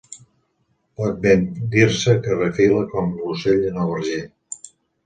Pot ben dir-se que refila com l'ocell en el verger